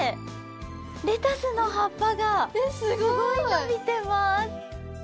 レタスのはっぱがすごいのびてます。